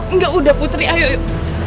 enggak udah putri ayo itu